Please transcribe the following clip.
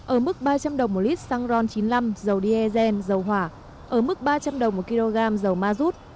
ở mức ba trăm linh đồng một lít xăng ron chín mươi năm dầu diesel dầu hỏa ở mức ba trăm linh đồng một kg dầu ma rút